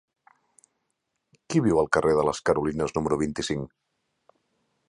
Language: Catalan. Qui viu al carrer de les Carolines número vint-i-cinc?